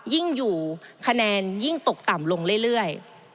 ยิ่งอยู่คะแนนยิ่งตกต่ำลงเรื่อย